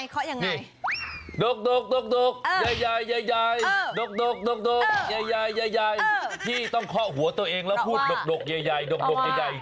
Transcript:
เคาะยังไงดกใหญ่ที่ต้องเคาะหัวตัวเองแล้วพูดดกใหญ่